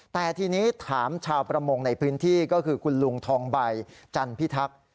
แต่ทีนี้ถามชาวประมงในพื้นที่ก็คือคุณลุงทองใบจันพิทักษ์